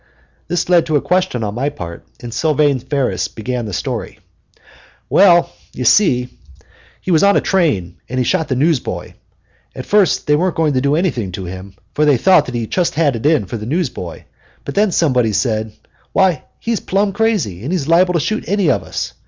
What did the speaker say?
This led to a question on my part, and Sylvane Ferris began the story: "Well, you see, he was on a train and he shot the newsboy. At first they weren't going to do anything to him, for they thought he just had it in for the newsboy. But then somebody said, 'Why, he's plumb crazy, and he's liable to shoot any of us!'